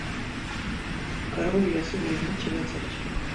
Karoli yasubiyemo ikibazo cye.